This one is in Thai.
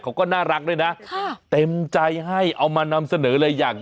เขาก็น่ารักเลยนะค่ะเต็มใจให้เอามานำเสนออะไรอย่าง